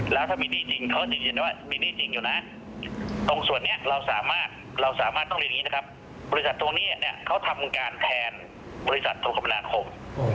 แล้วถ้ามีหนี้จริงเขาจะยืนยันว่ามีหนี้จริงอยู่นะตรงส่วนนี้เราสามารถเราสามารถต้องเรียนอย่างนี้นะครับบริษัทตรงนี้เนี่ยเขาทำการแทนบริษัทโทรคมนาคม